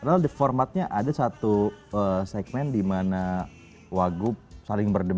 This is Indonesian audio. padahal di formatnya ada satu segmen dimana wagub saling berdiri